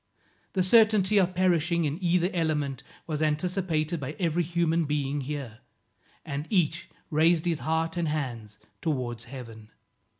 The certainty of perishing in either element was anticipated by every human being here, and each raised his heart and hands towards Heaven.